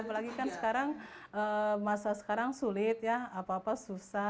apalagi kan sekarang masa sekarang sulit ya apa apa susah